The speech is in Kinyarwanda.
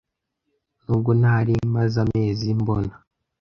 nubwo ntari maze amezi mbona